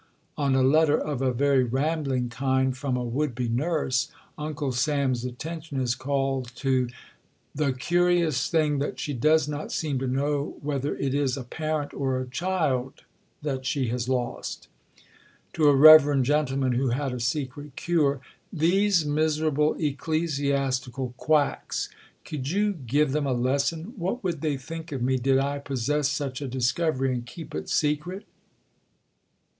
On a letter of a very rambling kind from a would be nurse, Uncle Sam's attention is called to "the curious thing that she does not seem to know whether it is a parent or a child that she has lost." To a reverend gentleman who had "a secret cure": "These miserable ecclesiastical quacks! Could you give them a lesson? What would they think of me did I possess such a discovery and keep it secret?"